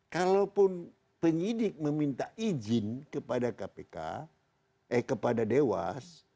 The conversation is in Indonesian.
kalaupun penyidik meminta izin kepada kpk eh kepada dewas